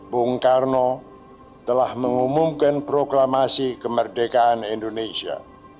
bung karno telah mengumumkan proklamasi kemerdekaan indonesia